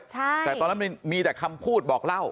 แต่ตอนนั้นมันมีแต่คำพูดบอกเล่า